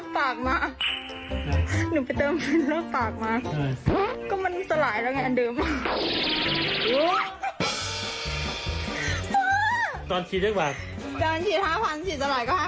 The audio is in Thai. พ่อหนูไปเติมฟิลเลอร์ปากมา